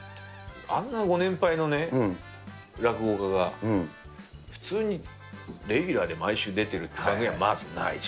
あんなご年配のね、落語家が、普通にレギュラーで毎週出てるっていう番組はまずないし。